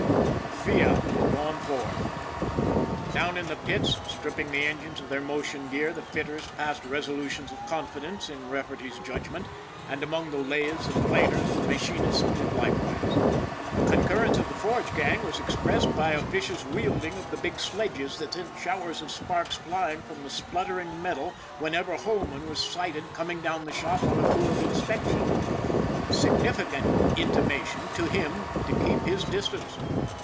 The fiat had gone forth ! Down in the pits, stripping the engines of their motion gear, the fitters passed resolutions of con fidence in Rafferty's judgment, and among the lathes and planers the machinists did likewise. The concur rence of the forge gang was expressed by a vicious wielding of the big sledges that sent showers of sparks flying from the spluttering metal whenever Holman was sighted coming down the shop on a tour of in spection a significant intimation to him to keep his distance.